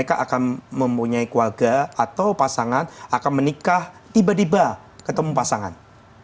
mereka akan mempunyai keluarga atau pasangan akan menikah tiba tiba ketemu pasangan